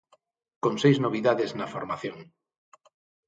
Con seis novidades na formación.